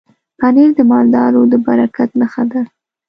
پنېر د مالدارو د برکت نښه ده.